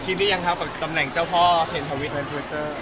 ชีวิตนี้ยังครับตำแหน่งเจ้าพ่อเห็นทวิตและทวิตเตอร์